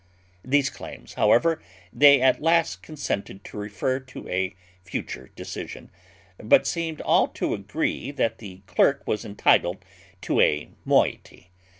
These claims, however, they at last consented to refer to a future decision, but seemed all to agree that the clerk was entitled to a moiety.